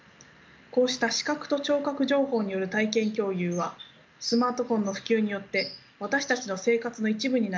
こうした視覚と聴覚情報による体験共有はスマートフォンの普及によって私たちの生活の一部になりました。